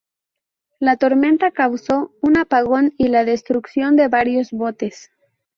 La tormenta causó un apagón y la destrucción de varios botes.